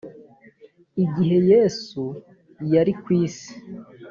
igihe yesu yari ku isi